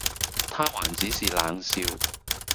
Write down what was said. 他還只是冷笑，